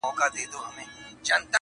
د مینو اسوېلیو ته دي پام دی,